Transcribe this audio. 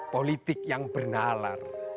politik yang bernalar